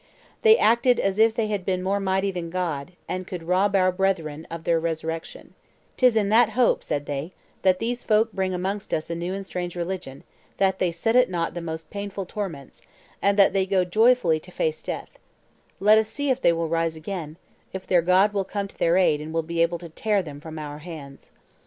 They acted as if they had been more mighty than God, and could rob our brethren of their resurrection: ''Tis in that hope,' said they, 'that these folk bring amongst us a new and strange religion, that they set at nought the most painful torments, and that they go joyfully to face death: let us see if they will rise again, if their God will come to their aid and will be able to tear them from our hands.